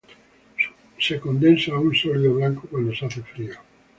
Se condensa a un sólido blanco cuando se hace frío.